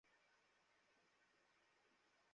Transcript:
একটু তাড়াতাড়ি করেন না, আমার আবার বাড়িতে যেতে হবে।